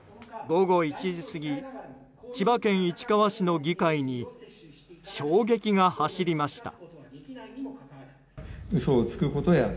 午後１時過ぎ千葉県市川市の議会に衝撃が走りました。